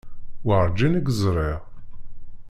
Werǧin i k-ẓriɣ.